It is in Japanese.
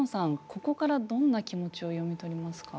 ここからどんな気持ちを読み取りますか。